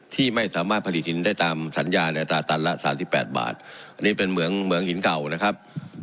ที่ไม่สามารถผลิตหินได้ตามสัญญาในอัตราตันละ๓๘บาทอันนี้เป็นเหมืองหินเก่านะครับ